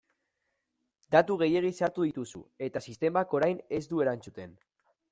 Datu gehiegi sartu dituzu eta sistemak orain ez du erantzuten.